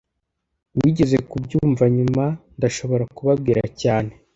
Wigeze kubyumva nyuma, ndashobora kubabwira cyane